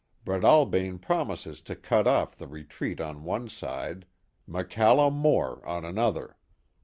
Breadalbane promised to cut off the re treat on one side, MacCallum More on another.